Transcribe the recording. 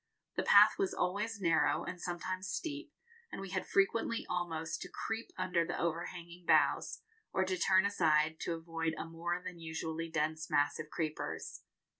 The path was always narrow and sometimes steep, and we had frequently almost to creep under the overhanging boughs, or to turn aside to avoid a more than usually dense mass of creepers.